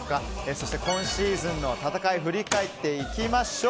そして、今シーズンの戦い振り返っていきましょう。